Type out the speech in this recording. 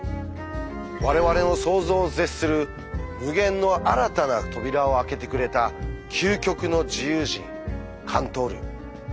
我々の想像を絶する無限の新たな扉を開けてくれた究極の自由人カントール。